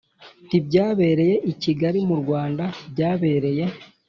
ntibyabereye i kigali, mu rwanda. byabereye